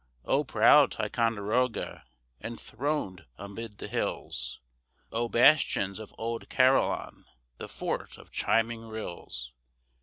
O proud Ticonderoga, enthroned amid the hills! O bastions of old Carillon, the "Fort of Chiming Rills!"